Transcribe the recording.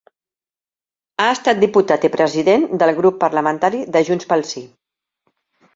Ha estat diputat i president del grup parlamentari de Junts pel Sí.